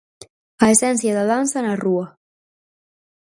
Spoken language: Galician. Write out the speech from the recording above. A esencia da danza na rúa.